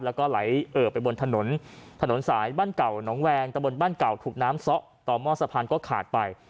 แล้วก็ไหลเอ่อไปบนถนนถนนสายบ้านเก่าน้องแวงตะบนบ้านเก่าถูกน้ำซ้อต่อหม้อสะพานก็ขาดไป